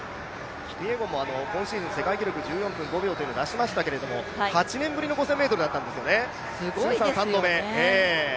キピエゴンも今シーズン記録を出しましたけど８年ぶりの５０００ｍだったんですよね、通算３度目。